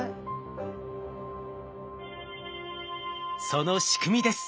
その仕組みです。